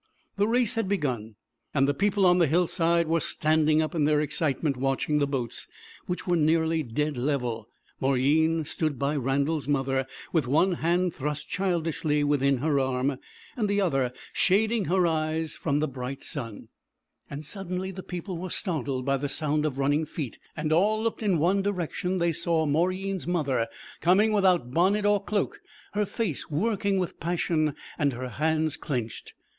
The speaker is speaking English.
The race had begun, and the people on the hillside were standing up in their excitement watching the boats, which were nearly dead level. Mauryeen stood by Randal's mother, with one hand thrust childishly within her arm, and the other shading her eyes from the bright sun. Suddenly the people were startled by the sound of running feet, and all looking in one direction they saw Mauryeen's mother coming without bonnet or cloak, her face working with passion and her hands clenched.